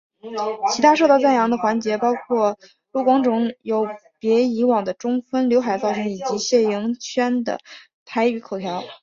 其他受到赞扬的环节包括卢广仲有别以往的中分浏海造型以及谢盈萱的台语口条。